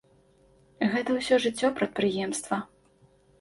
Гэта ўсё жыццё прадпрыемства.